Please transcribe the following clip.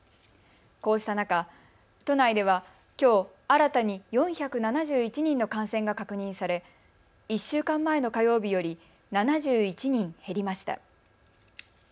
こうした中、都内ではきょう新たに４７１人の感染が確認され１週間前の火曜日より７１人減りました。